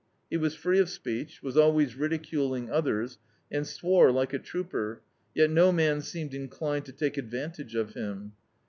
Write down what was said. He was free of speech, was always ridiculing others, and swore like a trooper, yet no man seemed inclined to take advantage of him.